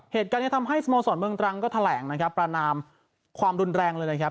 เหตุการณ์นี้ทำให้สโมสรเมืองตรังก็แถลงนะครับประนามความรุนแรงเลยนะครับ